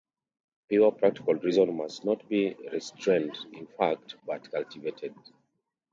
Pure practical reason must not be restrained, in fact, but cultivated.